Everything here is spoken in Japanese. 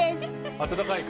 暖かいか。